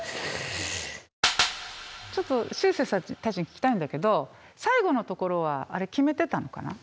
ちょっとしゅうせいさんたちに聞きたいんだけど最後のところはあれ決めてたのかな？